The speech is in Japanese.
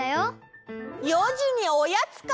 ４じにおやつか。